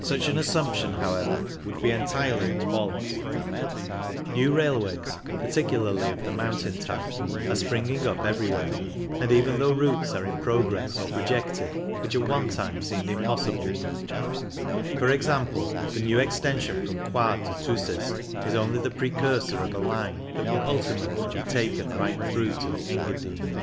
Such an assumption, however, would be entirely at fault. New railways, particularly of the mountain type, are springing up everywhere, and even through routes are in progress or projected which at one time seemed impossible ; for example, the new extension from Coire to Thusis is only the precursor of a line that will ultimately be taken right through to the Engadine.